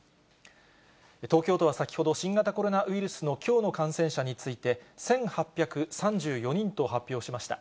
東京都は先ほど、新型コロナウイルスのきょうの感染者について、１８３４人と発表しました。